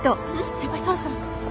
先輩そろそろ。